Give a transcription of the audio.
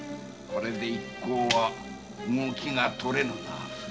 これで一行は動きがとれぬな。